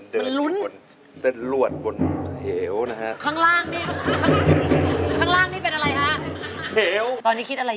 ถึกป่ะเนาะ